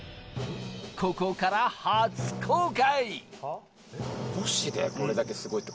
ここから初公開。